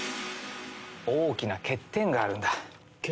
大きな欠点があるんだ。